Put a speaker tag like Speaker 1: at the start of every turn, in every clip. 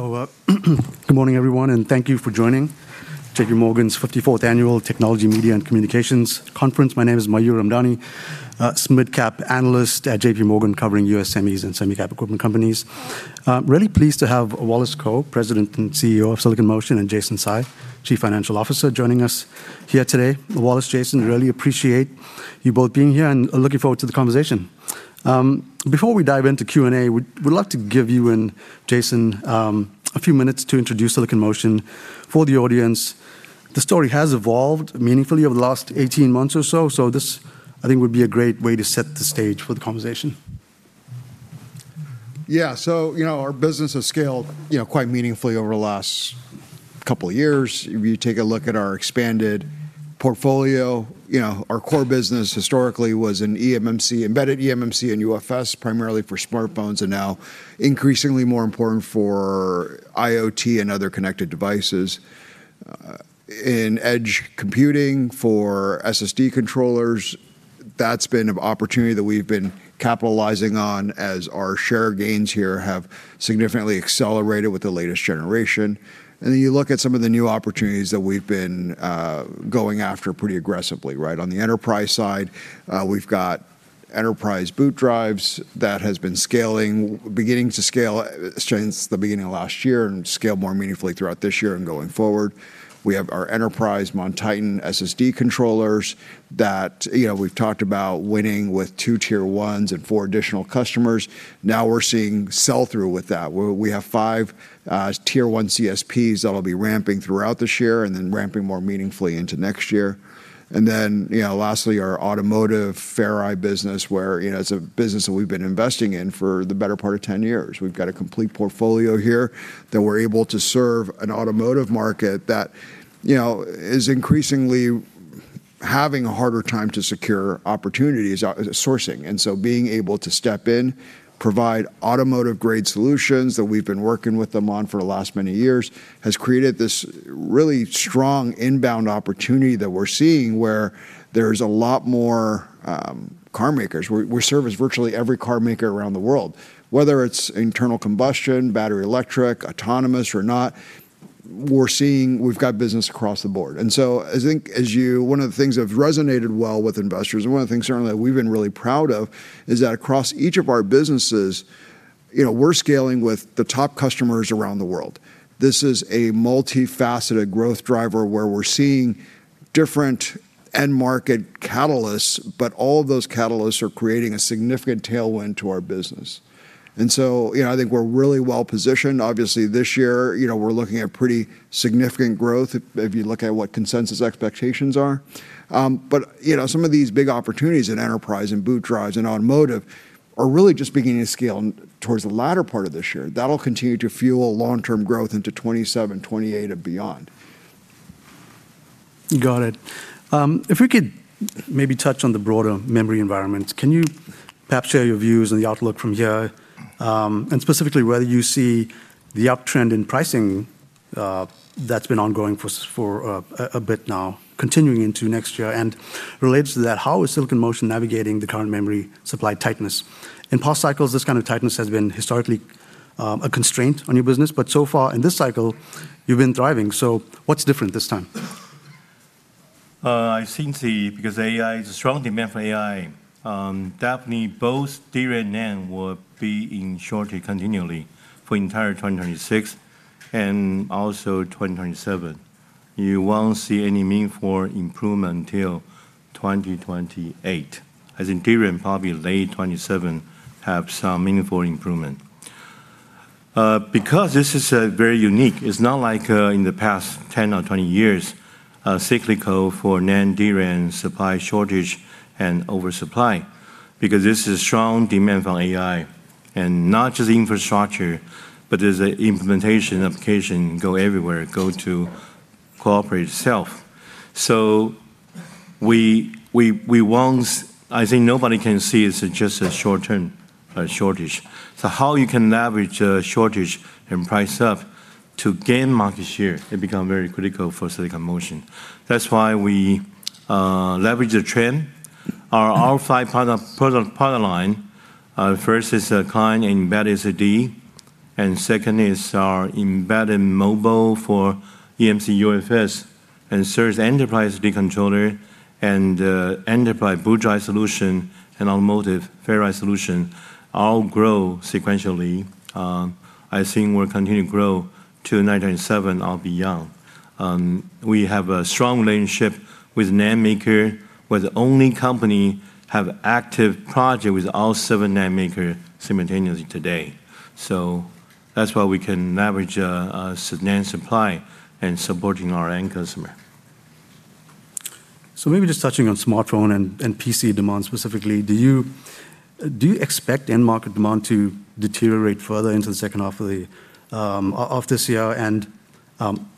Speaker 1: Good morning, everyone, and thank you for joining J.P. Morgan's 54th Annual Technology Media and Communications Conference. My name is Mayur Ramdhani, SMID Cap analyst at J.P. Morgan covering U.S. SMEs and semi cap equipment companies. I'm really pleased to have Wallace Kou, President and CEO of Silicon Motion, and Jason Tsai, Chief Financial Officer, joining us here today. Wallace, Jason, really appreciate you both being here and looking forward to the conversation. Before we dive into Q&A, we would love to give you and Jason a few minutes to introduce Silicon Motion for the audience. The story has evolved meaningfully over the last 18 months or so, this, I think, would be a great way to set the stage for the conversation.
Speaker 2: Yeah. You know, our business has scaled, you know, quite meaningfully over the last couple of years. If you take a look at our expanded portfolio, you know, our core business historically was in eMMC, embedded eMMC and UFS primarily for smartphones and now increasingly more important for IoT and other connected devices. In edge computing for SSD controllers, that's been an opportunity that we've been capitalizing on as our share gains here have significantly accelerated with the latest generation. You look at some of the new opportunities that we've been going after pretty aggressively, right? On the enterprise side, we've got enterprise boot drives that has been beginning to scale since the beginning of last year and scale more meaningfully throughout this year and going forward. We have our enterprise MonTitan SSD controllers that, you know, we've talked about winning with two tier 1s and four additional customers. Now we're seeing sell-through with that, where we have five tier 1 CSPs that'll be ramping throughout this year and then ramping more meaningfully into next year. You know, lastly, our automotive FerriSSD business where, you know, it's a business that we've been investing in for the better part of 10 years. We've got a complete portfolio here that we're able to serve an automotive market that, you know, is increasingly having a harder time to secure opportunities, sourcing. Being able to step in, provide automotive-grade solutions that we've been working with them on for the last many years has created this really strong inbound opportunity that we're seeing where there's a lot more car makers. We service virtually every car maker around the world. Whether it's internal combustion, battery electric, autonomous or not, we've got business across the board. I think one of the things that have resonated well with investors, and one of the things certainly that we've been really proud of, is that across each of our businesses, you know, we're scaling with the top customers around the world. This is a multifaceted growth driver where we're seeing different end market catalysts, but all of those catalysts are creating a significant tailwind to our business. You know, I think we're really well-positioned. Obviously, this year, you know, we're looking at pretty significant growth if you look at what consensus expectations are. You know, some of these big opportunities in enterprise and boot drives and automotive are really just beginning to scale towards the latter part of this year. That'll continue to fuel long-term growth into 2027, 2028 and beyond.
Speaker 1: Got it. If we could maybe touch on the broader memory environment, can you perhaps share your views on the outlook from here? Specifically whether you see the uptrend in pricing that's been ongoing for a bit now continuing into next year? Related to that, how is Silicon Motion navigating the current memory supply tightness? In past cycles, this kind of tightness has been historically a constraint on your business, but so far in this cycle you've been thriving. What's different this time?
Speaker 3: I think because AI is a strong demand for AI, definitely both DRAM and NAND will be in shortage continually for entire 2026 and also 2027. You won't see any meaningful improvement until 2028. As in DRAM, probably late 27 have some meaningful improvement. Because this is very unique, it's not like in the past 10 or 20 years, cyclical for NAND, DRAM supply shortage and oversupply because this is strong demand from AI. Not just infrastructure, but there's an implementation application go everywhere, go to coperate itself. I think nobody can see it's just a short-term shortage. How you can leverage a shortage and price up to gain market share, it become very critical for Silicon Motion. That's why we leverage the trend. Our five product line, first is client embedded SSD, and second is our embedded mobile for eMMC, UFS, and third enterprise controller and enterprise boot drive solution and automotive Ferri solution all grow sequentially. I think we'll continue to grow to 19.7 or beyond. We have a strong relationship with NAND maker. We're the only company have active project with all seven NAND maker simultaneously today. That's why we can leverage NAND supply in supporting our end customer.
Speaker 1: Maybe just touching on smartphone and PC demand specifically, do you expect end market demand to deteriorate further into the second half of this year?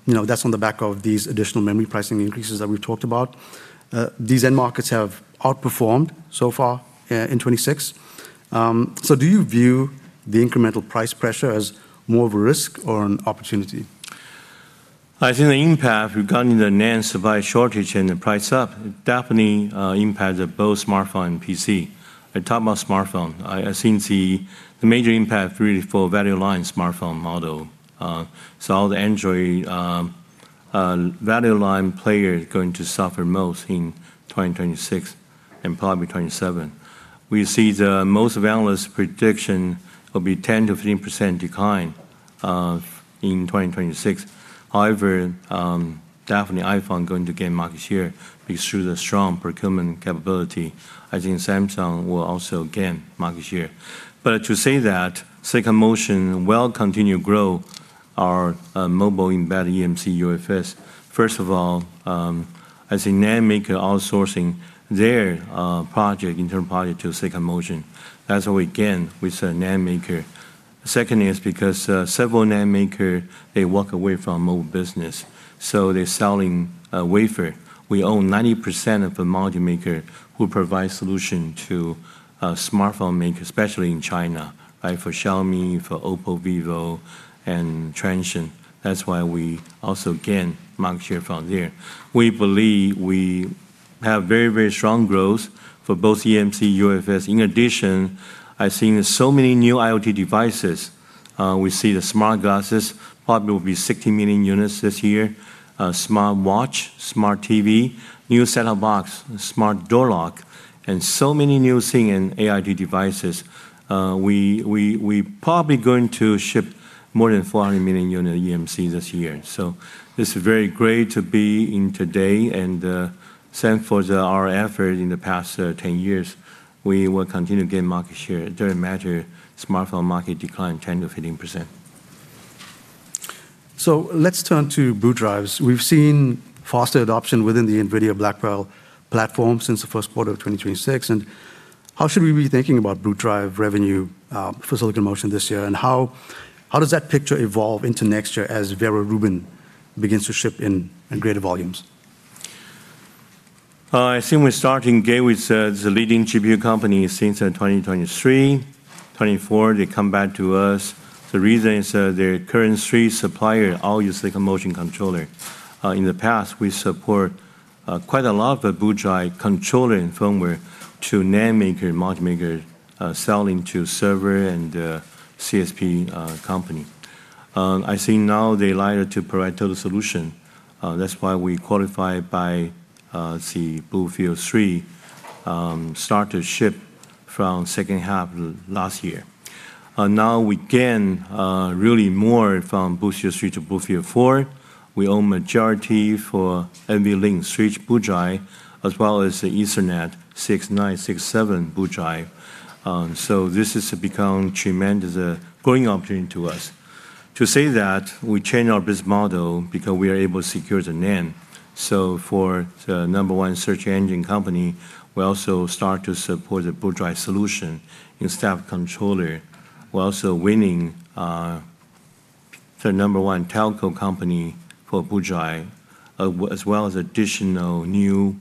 Speaker 1: You know, that's on the back of these additional memory pricing increases that we've talked about. These end markets have outperformed so far in 2026. Do you view the incremental price pressure as more of a risk or an opportunity?
Speaker 3: I think the impact regarding the NAND supply shortage and the price up definitely impacts both smartphone and PC. I talk about smartphone. I think the major impact really for value line smartphone model. All the Android value line player going to suffer most in 2026 and probably 2027. We see the most analyst prediction will be 10%-15% decline in 2026. Definitely iPhone going to gain market share because through the strong procurement capability. I think Samsung will also gain market share. To say that, Silicon Motion will continue grow our mobile embedded eMMC, UFS. First of all, as a NAND maker outsourcing their project, internal project to Silicon Motion. That's why we gain with the NAND maker. Second is because several NAND maker, they walk away from mobile business, so they're selling a wafer. We own 90% of the module maker who provide solution to smartphone maker, especially in China, right? For Xiaomi, for OPPO, Vivo, and Transsion. That's why we also gain market share from there. We believe we have very, very strong growth for both eMMC, UFS. In addition, I've seen so many new IoT devices. We see the smart glasses, probably will be 60 million units this year. Smart watch, smart TV, new set-top box, smart door lock, and so many new thing in AIoT devices. We probably going to ship more than 400 million unit eMMC this year. This is very great to be in today and thank for our effort in the past 10 years. We will continue to gain market share. It doesn't matter smartphone market decline 10%-15%.
Speaker 1: Let's turn to boot drives. We've seen faster adoption within the NVIDIA Blackwell platform since the first quarter of 2026. How should we be thinking about boot drive revenue for Silicon Motion this year? How does that picture evolve into next year as Vera Rubin begins to ship in greater volumes?
Speaker 3: I think we're starting gate with the leading GPU company since 2023, 2024, they come back to us. The reason is their current three supplier all use Silicon Motion controller. In the past, we support quite a lot of the boot drive controller and firmware to NAND maker, module maker, selling to server and CSP company. I think now they like to provide total solution. That's why we qualify by the BlueField-3, start to ship from second half last year. Now we gain really more from BlueField-3 to BlueField-4. We own majority for NVLink switch boot drive, as well as the Ethernet 6967 boot drive. This has become tremendous growing opportunity to us. To say that, we change our business model because we are able to secure the NAND. For the number one search engine company, we also start to support the boot drive solution in flash controller. We're also winning the number one telco company for boot drive, as well as additional new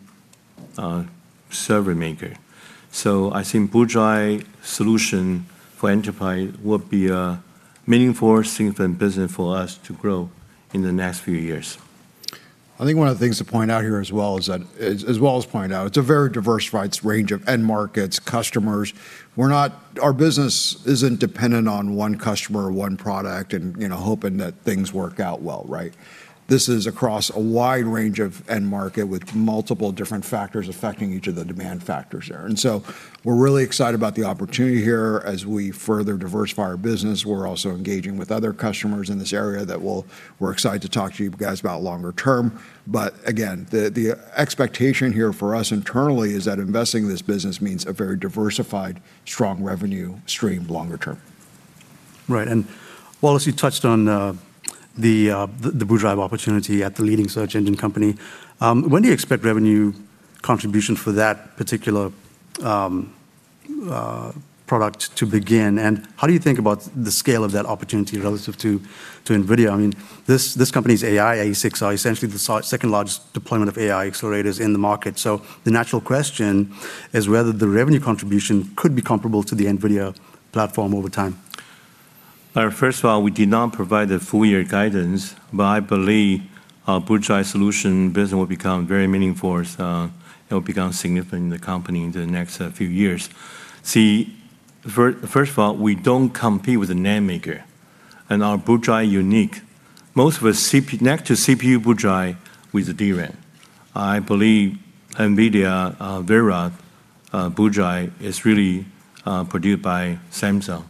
Speaker 3: server maker. I think boot drive solution for enterprise will be a meaningful, significant business for us to grow in the next few years.
Speaker 2: I think one of the things to point out here as well is that as Wallace pointed out, it's a very diversified range of end markets, customers. Our business isn't dependent on one customer or one product and, you know, hoping that things work out well, right? This is across a wide range of end market with multiple different factors affecting each of the demand factors there. We're really excited about the opportunity here as we further diversify our business. We're also engaging with other customers in this area that we're excited to talk to you guys about longer term. The expectation here for us internally is that investing in this business means a very diversified, strong revenue stream longer term.
Speaker 1: Right. Wallace, you touched on the boot drive opportunity at the leading search engine company. When do you expect revenue contribution for that particular product to begin? How do you think about the scale of that opportunity relative to NVIDIA? I mean, this company's AI ASICs are essentially the second-largest deployment of AI accelerators in the market. The natural question is whether the revenue contribution could be comparable to the NVIDIA platform over time.
Speaker 3: First of all, we did not provide the full year guidance. I believe our boot drive solution business will become very meaningful as it will become significant in the company in the next few years. First of all, we don't compete with the NAND maker, and our boot drive is unique. Most of us connect to CPU boot drive with DRAM. I believe NVIDIA Vera boot drive is really produced by Samsung.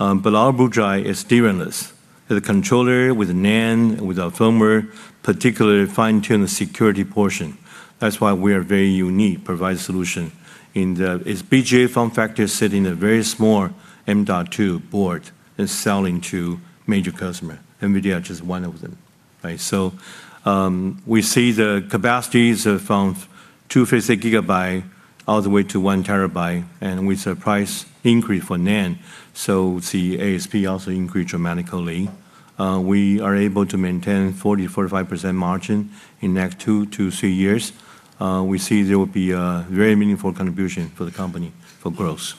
Speaker 3: Our boot drive is DRAM-less. The controller with NAND, with our firmware, particularly fine-tune the security portion. That's why we are very unique, provide solution in its BGA form factor sit in a very small M.2 board and selling to major customer. NVIDIA just one of them, right? We see the capacities from 250 GB all the way to 1 TB, and with the price increase for NAND, the ASP also increase dramatically. We are able to maintain 40%-45% margin in next 2-3 years. We see there will be a very meaningful contribution for the company for growth.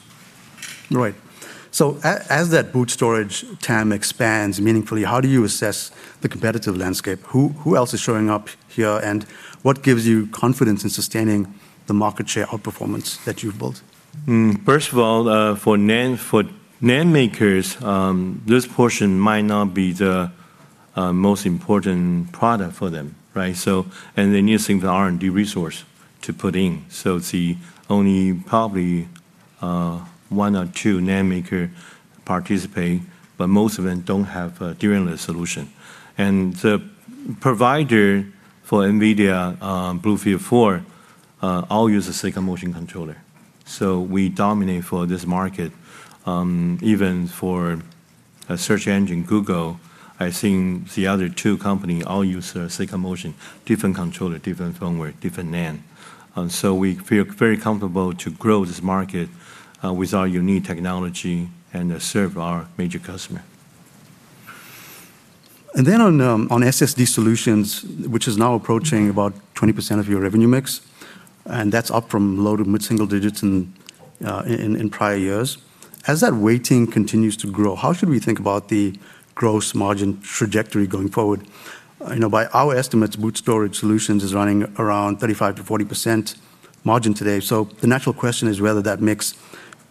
Speaker 1: Right. As that boot storage TAM expands meaningfully, how do you assess the competitive landscape? Who else is showing up here, what gives you confidence in sustaining the market share outperformance that you've built?
Speaker 3: First of all, for NAND makers, this portion might not be the most important product for them, right? They need significant R&D resource to put in. It's the only probably one or two NAND maker participate, but most of them don't have a tier-1 solution. The provider for NVIDIA BlueField-4 all use a Silicon Motion controller. We dominate for this market. Even for a search engine, Google, I think the other two company all use a Silicon Motion, different controller, different firmware, different NAND. We feel very comfortable to grow this market with our unique technology and to serve our major customer.
Speaker 1: On SSD solutions, which is now approaching about 20% of your revenue mix, that's up from low to mid-single digits in prior years. As that weighting continues to grow, how should we think about the gross margin trajectory going forward? You know, by our estimates, boot storage solutions is running around 35%-40% margin today. The natural question is whether that mix,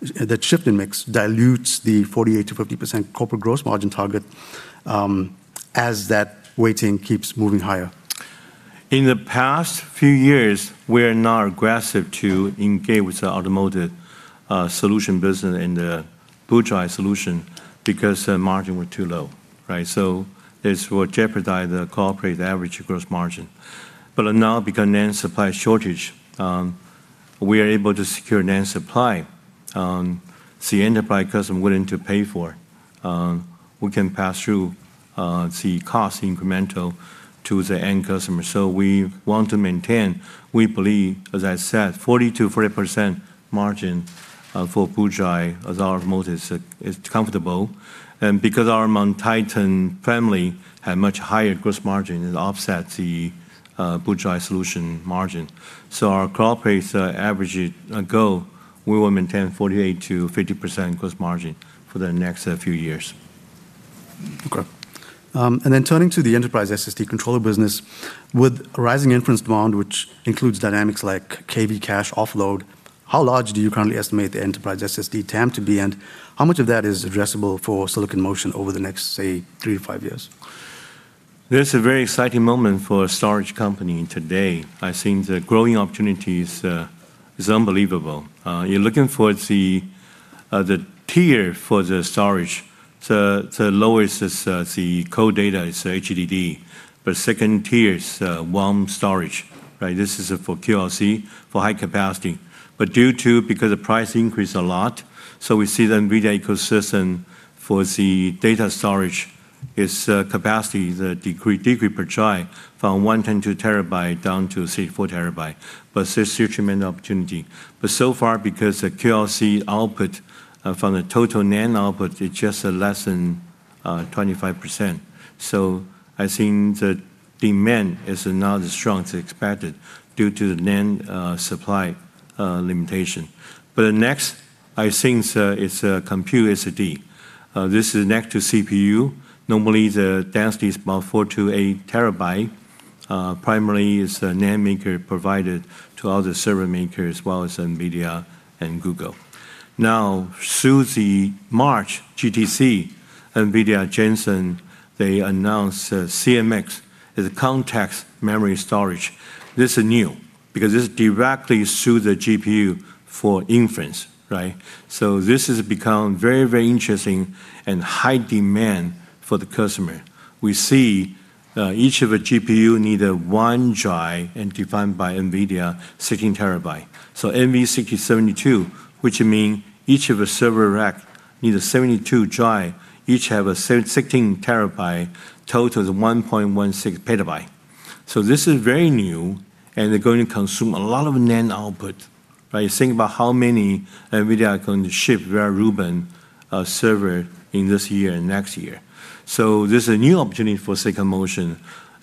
Speaker 1: that shift in mix dilutes the 48%-50% corporate gross margin target as that weighting keeps moving higher.
Speaker 3: In the past few years, we're now aggressive to engage with the automotive, solution business and the boot drive solution because the margin were too low, right. This will jeopardize the corporate average gross margin. Now, because NAND supply is shortage, we are able to secure NAND supply, see enterprise customer willing to pay for. We can pass through the cost incremental to the end customer. We want to maintain, we believe, as I said, 40%-40% margin, for boot drive as our motive is comfortable. Because our MonTitan family have much higher gross margin, it offsets the boot drive solution margin. Our corporate average goal, we will maintain 48%-50% gross margin for the next few years.
Speaker 1: Okay. Turning to the enterprise SSD controller business, with rising inference demand, which includes dynamics like KV cache offload, how large do you currently estimate the enterprise SSD TAM to be, and how much of that is addressable for Silicon Motion over the next, say, three to five years?
Speaker 3: This a very exciting moment for a storage company today. I think the growing opportunities is unbelievable. You're looking for the tier 4 for the storage to lower the cold data, so HDD. Second tier is warm storage, right? This is for QLC, for high capacity. Due to because the price increased a lot, so we see the NVIDIA ecosystem for the data storage is capacity, the degree per drive from 110 TB down to 3 TB-4 TB. Tremendous opportunity. So far, because the QLC output from the total NAND output is just less than 25%. I think the demand is not as strong as expected due to the NAND supply limitation. Next, I think it's a compute SSD. This is next to CPU. Normally, the density is about 4 TB-8 TB. Primarily it's a NAND maker provided to other server maker as well as NVIDIA and Google. Through the March GTC, NVIDIA, Jensen, they announced CMX as a context memory storage. This is new, because this directly suit the GPU for inference, right? This has become very interesting and high demand for the customer. We see, each of the GPU need 1 drive and defined by NVIDIA 16 TB. NVL72, which mean each of the server rack need a 72 drive, each have a 16 TB, total is 1.16 PB. This is very new and they're going to consume a lot of NAND output, right? Think about how many NVIDIA are going to ship their Rubin server in this year and next year. This is a new opportunity for Silicon Motion.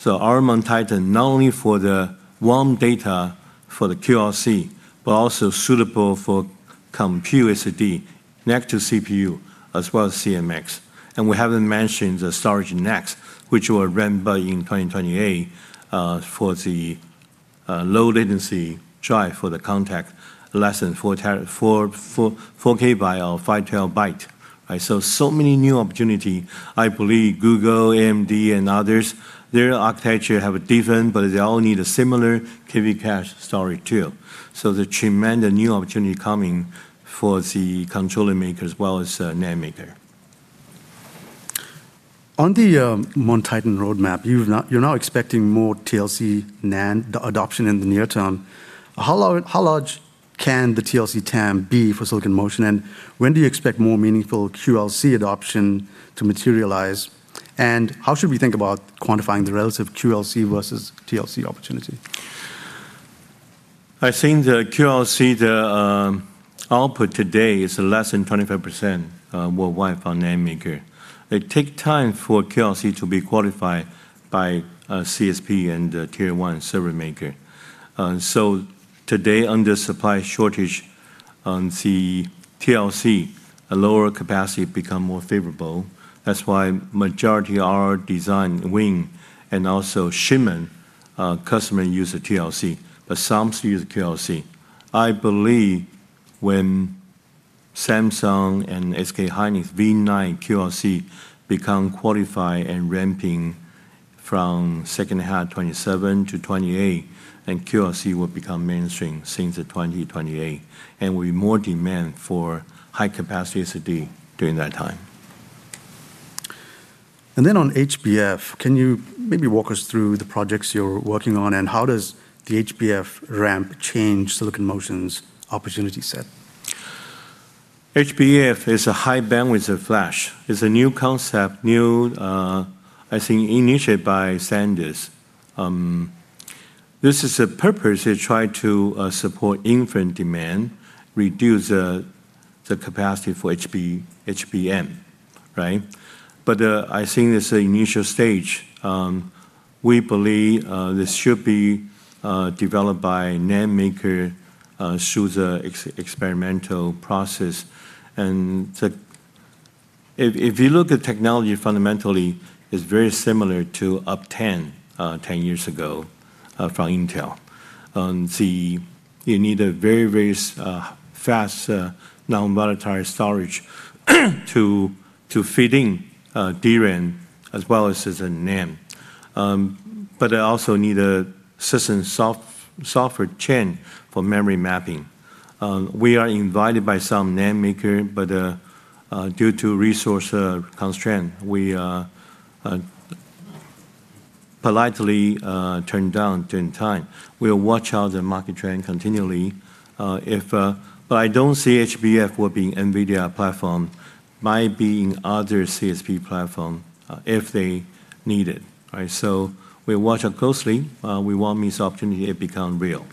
Speaker 3: Our MonTitan not only for the warm data for the QLC, but also suitable for compute SSD next to CPU as well as CMX. We haven't mentioned the storage next, which will ramp by in 2028 for the low latency drive for the contact, less than 4 KB or 5 TB. Right, so many new opportunity. I believe Google, AMD, and others, their architecture have a different, but they all need a similar KV cache storage too. The tremendous new opportunity coming for the controller maker as well as NAND maker.
Speaker 1: On the MonTitan roadmap, you're now expecting more TLC NAND, the adoption in the near term. How large can the TLC TAM be for Silicon Motion, and when do you expect more meaningful QLC adoption to materialize? How should we think about quantifying the relative QLC versus TLC opportunity?
Speaker 3: I think the QLC, the output today is less than 25% worldwide for NAND maker. It take time for QLC to be qualified by CSP and tier 1 server maker. Today, under supply shortage. On the TLC, a lower capacity become more favorable. That's why majority are designed win, and also shipment, customer use a TLC, but some still use QLC. I believe when Samsung and SK Hynix V9 QLC become qualified and ramping from second half 2027 to 2028, QLC will become mainstream since 2028, and will be more demand for high capacity SSD during that time.
Speaker 1: On HBF, can you maybe walk us through the projects you're working on, and how does the HBF ramp change Silicon Motion's opportunity set?
Speaker 3: HBF is a high bandwidth of flash. It's a new concept, new, I think initiated by Sanders. This is a purpose to try to support inference demand, reduce the capacity for HBM, right? I think this initial stage, we believe this should be developed by NAND maker through the experimental process. If you look at technology fundamentally, it's very similar to Optane, 10 years ago, from Intel. See, you need a very fast, non-volatile storage to fit in DRAM as well as a NAND. It also need a system software chain for memory mapping. We are invited by some NAND maker, due to resource constraint, we are politely turn down. We'll watch how the market trend continually. I don't see HBF will be NVIDIA platform, might be in other CSP platform, if they need it, right? We watch it closely. We won't miss opportunity it become real.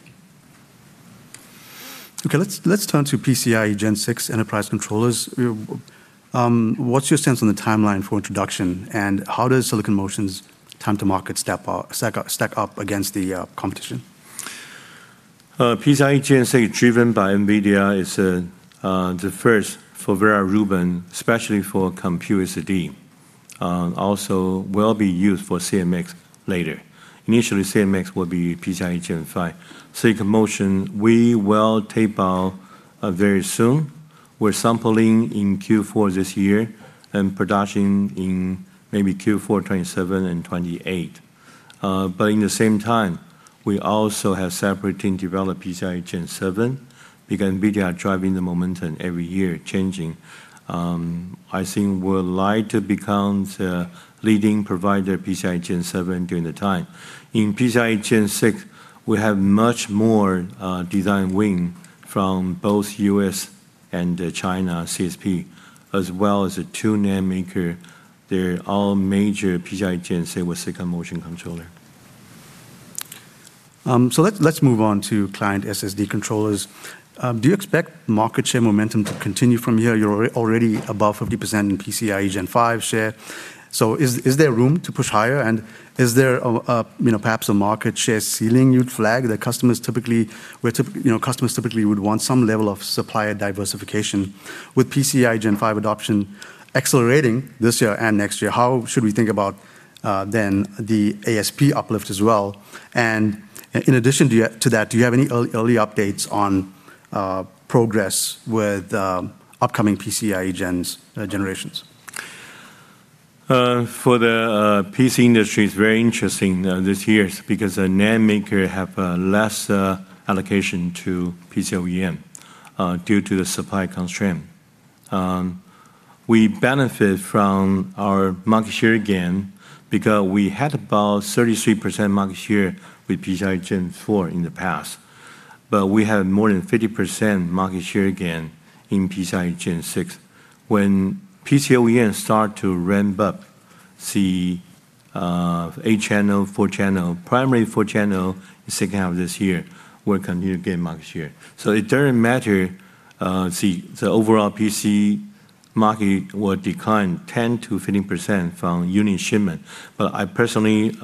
Speaker 1: Okay, let's turn to PCIe Gen 6 enterprise controllers. What's your sense on the timeline for introduction, and how does Silicon Motion's time to market stack up against the competition?
Speaker 3: PCIe Gen 6 driven by NVIDIA is the first for Vera Rubin, especially for compute SSD. Also will be used for CMX later. Initially, CMX will be PCIe Gen 5. Silicon Motion, we will tape out very soon. We're sampling in Q4 this year and production in maybe Q4 2027 and 2028. In the same time, we also have separate team develop PCIe Gen 7 because NVIDIA are driving the momentum every year changing. I think we're like to become the leading provider PCIe Gen 7 during the time. In PCIe Gen 6, we have much more design win from both U.S. and China CSP, as well as a two NAND maker. They're all major PCIe Gen 6 with Silicon Motion controller.
Speaker 1: Let's move on to client SSD controllers. Do you expect market share momentum to continue from here? You're already above 50% in PCIe Gen 5 share. Is there room to push higher, and is there a, you know, perhaps a market share ceiling you'd flag that customers typically, you know, customers typically would want some level of supplier diversification? With PCIe Gen 5 adoption accelerating this year and next year, how should we think about then the ASP uplift as well? In addition to that, do you have any early updates on progress with upcoming PCIe gens, generations?
Speaker 3: For the PC industry, it's very interesting this year because the NAND maker have less allocation to PC OEM due to the supply constraint. We benefit from our market share again because we had about 33% market share with PCIe Gen 4 in the past, but we have more than 50% market share again in PCIe Gen 6. When PC OEM start to ramp up, see, eight channel, four channel, primary four channel is second half of this year will continue to gain market share. It doesn't matter, see, the overall PC market will decline 10%-15% from unit shipment. I personally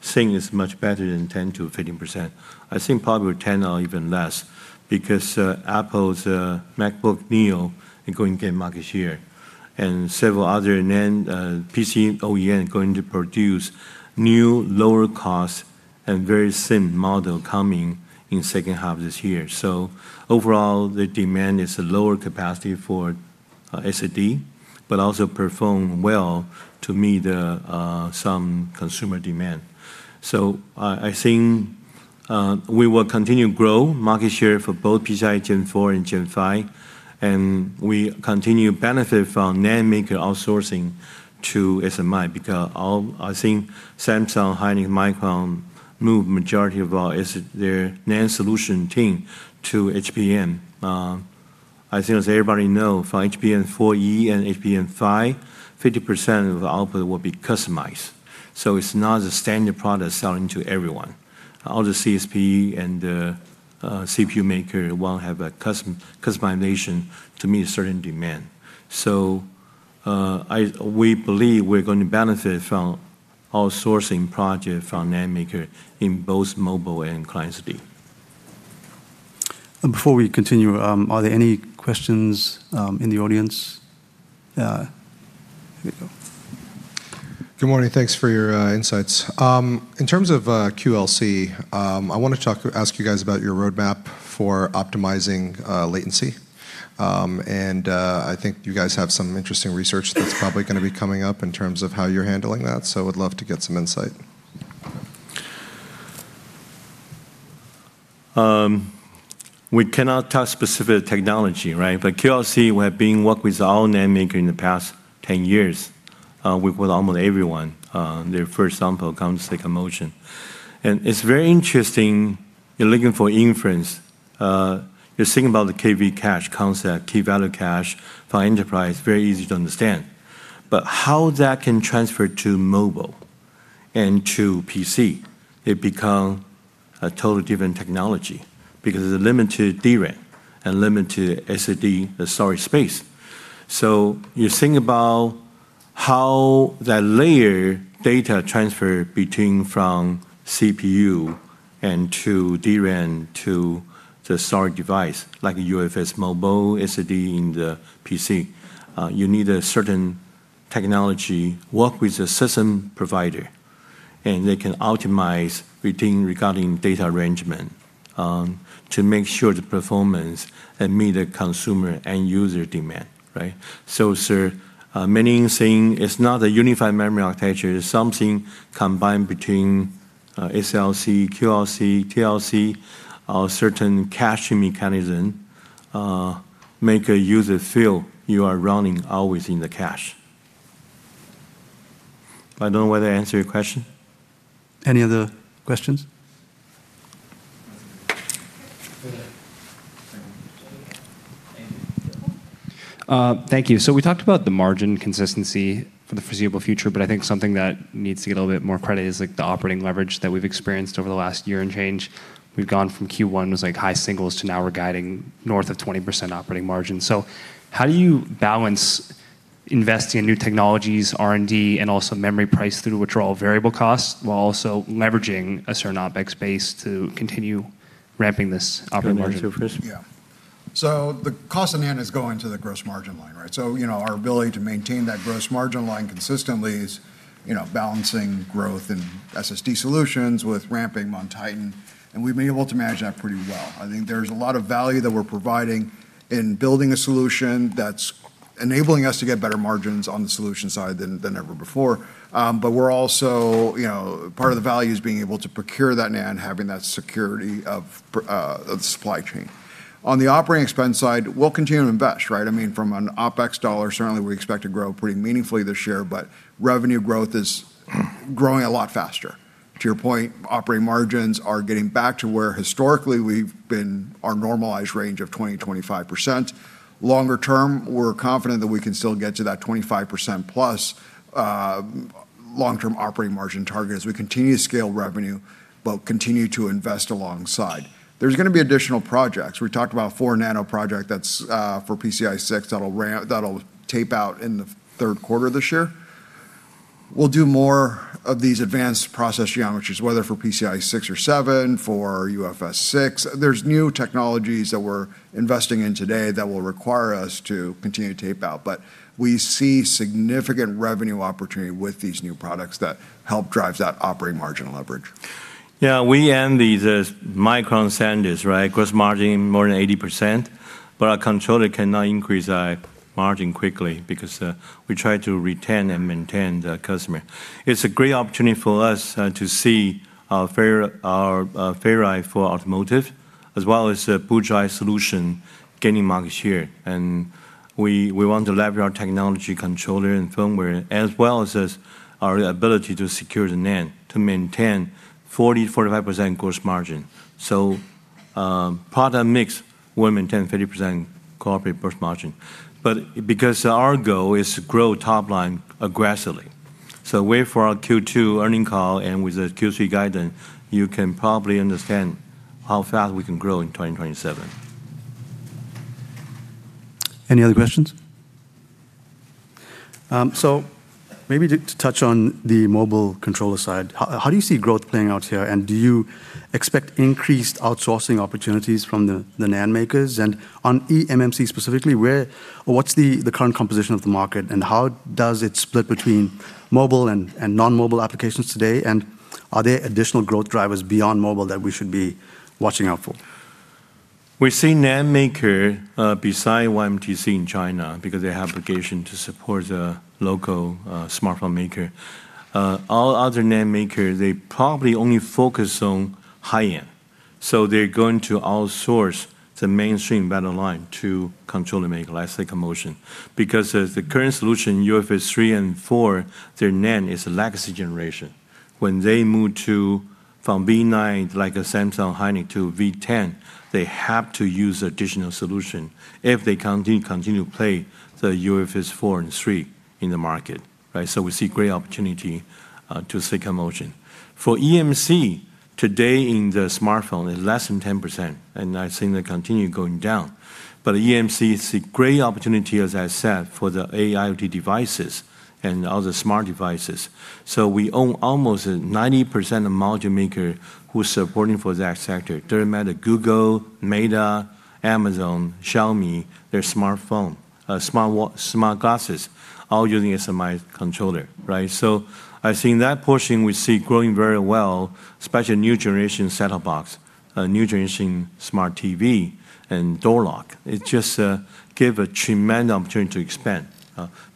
Speaker 3: think it's much better than 10%-15%. I think probably 10 or even less because Apple's MacBook Neo is going to gain market share. Several other NAND PC OEM going to produce new, lower cost and very same model coming in second half this year. Overall, the demand is a lower capacity for SSD, but also perform well to meet some consumer demand. I think we will continue grow market share for both PCIe Gen 4 and Gen 5, and we continue to benefit from NAND maker outsourcing to SMI because I think Samsung, Hynix, Micron move majority of their NAND solution team to HBM. I think as everybody know, for HBM4E and HBM5, 50% of the output will be customized. It's not the standard product selling to everyone. All the CSP and the CPU maker will have customization to meet a certain demand. We believe we're going to benefit from outsourcing project from NAND maker in both mobile and client SSD.
Speaker 1: Before we continue, are there any questions in the audience? Here we go.
Speaker 4: Good morning. Thanks for your insights. In terms of QLC, I want to ask you guys about your roadmap for optimizing latency. I think you guys have some interesting research that's probably gonna be coming up in terms of how you're handling that, so would love to get some insight.
Speaker 3: We cannot tell specific technology, right? QLC, we have been work with our own NAND maker in the past 10 years, with almost everyone. Their first sample comes Silicon Motion. It's very interesting, you're looking for inference. You're thinking about the KV cache concept, key value cache for enterprise, very easy to understand. How that can transfer to mobile and to PC, it become a total different technology because of the limited DRAM and limited SSD, the storage space. You think about how that layer data transfer between from CPU and to DRAM to the storage device, like a UFS mobile, SSD in the PC. You need a certain technology work with the system provider, and they can optimize between regarding data arrangement, to make sure the performance and meet the consumer and user demand, right? Sir, many saying it's not a unified memory architecture, it's something combined between SLC, QLC, TLC, a certain caching mechanism, make a user feel you are running always in the cache. I don't know whether I answer your question.
Speaker 1: Any other questions?
Speaker 5: Thank you. We talked about the margin consistency for the foreseeable future, but I think something that needs to get a little bit more credit is like the operating leverage that we've experienced over the last year and change. We've gone from Q1 was like high singles to now we're guiding north of 20% operating margin. How do you balance investing in new technologies, R&D, and also memory price through, which are all variable costs, while also leveraging a certain OpEx base to continue ramping this operating margin?
Speaker 3: Good one to you, Jason.
Speaker 2: Yeah. The cost of NAND is going to the gross margin line, right? You know, our ability to maintain that gross margin line consistently is, you know, balancing growth in SSD solutions with ramping MonTitan, and we've been able to manage that pretty well. I think there's a lot of value that we're providing in building a solution that's enabling us to get better margins on the solution side than ever before. We're also, you know, part of the value is being able to procure that NAND, having that security of the supply chain. On the operating expense side, we'll continue to invest, right? I mean from an OpEx dollar, certainly we expect to grow pretty meaningfully this year, revenue growth is growing a lot faster. To your point, operating margins are getting back to where historically we've been our normalized range of 20%-25%. Longer term, we're confident that we can still get to that 25%+ long-term operating margin target as we continue to scale revenue but continue to invest alongside. There's gonna be additional projects. We talked about 4nm project that's for PCIe Gen 6 that'll tape out in the third quarter of this year. We'll do more of these advanced process geometries, whether for PCIe Gen 6 or 7, for UFS 6. There's new technologies that we're investing in today that will require us to continue to tape out. We see significant revenue opportunity with these new products that help drives that operating margin leverage.
Speaker 3: Yeah, we end these as Micron standards, right? Gross margin more than 80%, our controller cannot increase our margin quickly because we try to retain and maintain the customer. It's a great opportunity for us to see our Ferri for automotive as well as a boot drive solution gaining market share. We want to leverage our technology controller and firmware as well as our ability to secure the NAND to maintain 40%-45% gross margin. Product mix will maintain 30% corporate gross margin. Because our goal is to grow top line aggressively, wait for our Q2 earning call and with the Q3 guidance, you can probably understand how fast we can grow in 2027.
Speaker 1: Any other questions? Maybe to touch on the mobile controller side. How do you see growth playing out here, and do you expect increased outsourcing opportunities from the NAND makers? On eMMC specifically, where or what's the current composition of the market, and how does it split between mobile and non-mobile applications today? Are there additional growth drivers beyond mobile that we should be watching out for?
Speaker 3: We see NAND maker beside YMTC in China because they have obligation to support the local smartphone maker. All other NAND maker, they probably only focus on high-end. They're going to outsource the mainstream bottom line to controller maker like Silicon Motion because, as the current solution, UFS 3 and 4, their NAND is a legacy generation. When they move to from V9 like a Samsung, Hynix to V10, they have to use additional solution if they continue to play the UFS 4 and 3 in the market, right? We see great opportunity to Silicon Motion. For eMMC in the smartphone is less than 10%, and I think that continue going down. eMMC is a great opportunity, as I said, for the AIoT devices and other smart devices. We own almost 90% of module maker who's supporting for that sector. They're met at Google, Meta, Amazon, Xiaomi, their smartphone, smart glasses, all using SMI controller, right? I think that portion we see growing very well, especially new generation set-top box, new generation smart TV and door lock. It just give a tremendous opportunity to expand.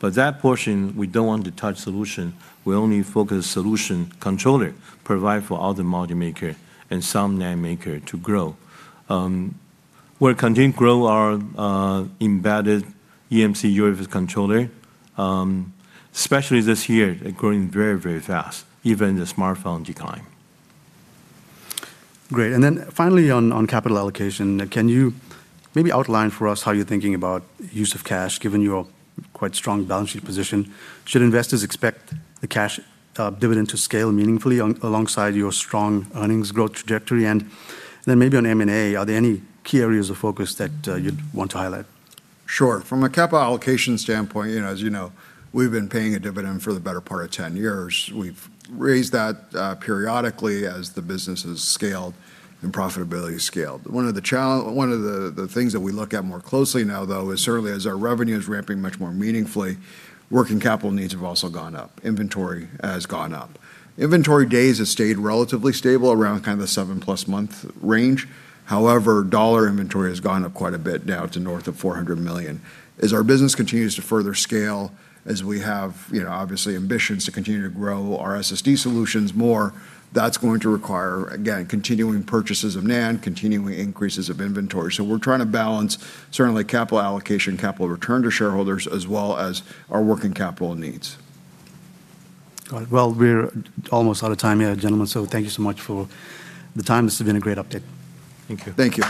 Speaker 3: That portion, we don't want to touch solution. We only focus solution controller, provide for other module maker and some name maker to grow. We're continue grow our embedded eMMC UEFI controller, especially this year, growing very, very fast, even the smartphone decline.
Speaker 1: Great. Finally on capital allocation, can you maybe outline for us how you're thinking about use of cash, given your quite strong balance sheet position? Should investors expect the cash dividend to scale meaningfully alongside your strong earnings growth trajectory? Then maybe on M&A, are there any key areas of focus that you'd want to highlight?
Speaker 2: Sure. From a capital allocation standpoint, you know, as you know, we've been paying a dividend for the better part of 10 years. We've raised that periodically as the business has scaled and profitability scaled. One of the things that we look at more closely now, though, is certainly as our revenue is ramping much more meaningfully, working capital needs have also gone up. Inventory has gone up. Inventory days has stayed relatively stable around kind of the 7+ month range. However, dollar inventory has gone up quite a bit. Now it's north of $400 million. As our business continues to further scale, as we have, you know, obviously ambitions to continue to grow our SSD solutions more, that's going to require, again, continuing purchases of NAND, continuing increases of inventory. We're trying to balance certainly capital allocation, capital return to shareholders, as well as our working capital needs.
Speaker 1: All right, well, we're almost out of time here, gentlemen, so thank you so much for the time. This has been a great update.
Speaker 3: Thank you.
Speaker 2: Thank you.